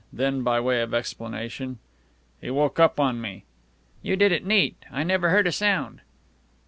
Then, by way of explanation, "He woke up on me." "You did it neat. I never heard a sound."